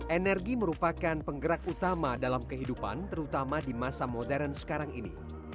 energi merupakan penggerak utama dalam kehidupan terutama di masa modern sekarang ini